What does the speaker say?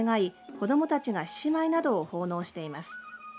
子どもたちが獅子舞などを奉納しています。